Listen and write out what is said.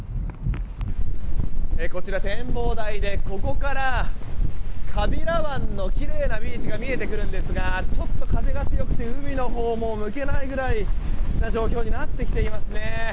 こちら、展望台でここから川平湾のきれいなビーチが見えてくるんですがちょっと風が強くて海のほうも向けないくらいの状況になってきていますね。